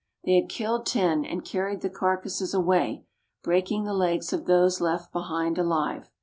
They had killed ten, and carried the carcases away, breaking the legs of those left behind alive.